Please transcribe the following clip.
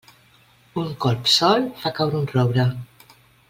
Un colp sol fa caure un roure.